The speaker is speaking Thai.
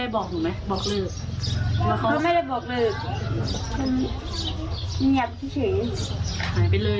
บอกเลิกเขาไม่ได้บอกเลิกฉันมีอยากพี่ฉีย